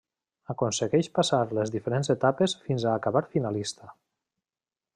Aconsegueix passar les diferents etapes fins a acabar finalista.